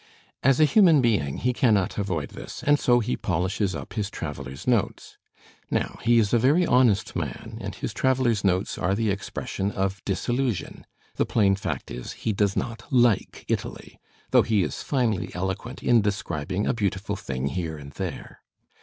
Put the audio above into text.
As a human being he cannot avoid this, and so he polishes up his traveller's notes. Now, he is a very honest man and his traveller's notes are the expression of disillusion; the plain fact is, he does not like Italy, though he is finely eloquent in describing a beautiful thing here and there.